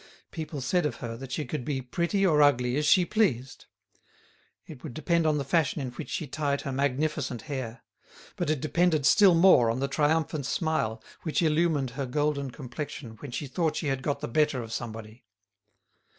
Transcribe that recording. People said of her that she could be pretty or ugly as she pleased. It would depend on the fashion in which she tied her magnificent hair; but it depended still more on the triumphant smile which illumined her golden complexion when she thought she had got the better of somebody.